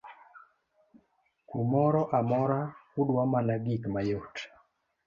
kumoro amora udwa mana gik mayot